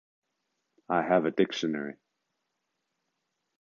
I have a dictionary.